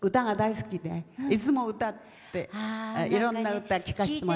歌が大好きで、いつも歌っていろんな歌、聴かせて。